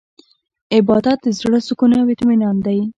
عبادت د زړه سکون او اطمینان دی.